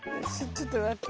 ちょっと待って。